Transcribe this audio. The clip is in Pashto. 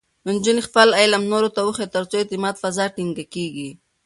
نجونې خپل علم نورو ته وښيي، ترڅو د اعتماد فضا ټینګېږي.